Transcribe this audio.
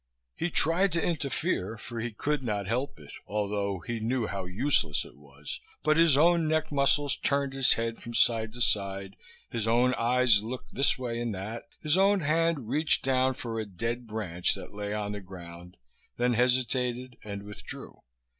He tried to interfere, for he could not help it, although he knew how useless it was, but his own neck muscles turned his head from side to side, his own eyes looked this way and that, his own hand reached down for a dead branch that lay on the ground, then hesitated and withdrew.